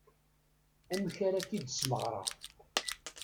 Amek ara k-id-smeɣreɣ.